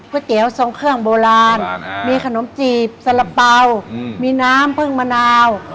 เตี๋ยวทรงเครื่องโบราณมีขนมจีบสาระเป๋ามีน้ำพึ่งมะนาว